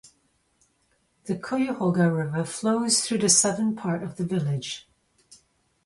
The Cuyahoga River flows through the southern part of the village.